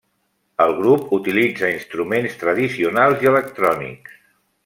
El grup utilitza instruments tradicionals i electrònics.